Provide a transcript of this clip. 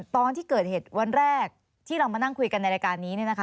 ตอนที่เกิดเหตุวันแรกที่เรามานั่งคุยกันในรายการนี้